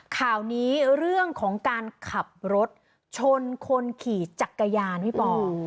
ข่าวนี้เรื่องของการขับรถชนคนขี่จักรยานพี่ปอ